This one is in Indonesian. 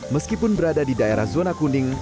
meskipun berada di daerah zona kuning